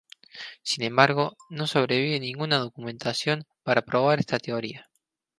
Sin embargo, no sobrevive ninguna documentación para probar esta teoría.